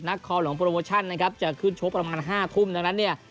คอหลวงโปรโมชั่นนะครับจะขึ้นชกประมาณห้าทุ่มดังนั้นเนี่ย